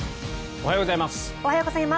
おはようございます。